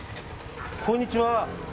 こんにちは。